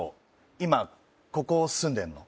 今ここ住んでんの？